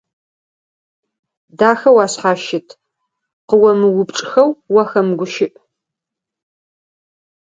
Дахэу ашъхьащыт, къыомыупчӀхэу уахэмыгущыӀ.